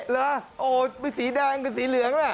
อ๋อไม่สีแดงเป็นสีเหลืองอะ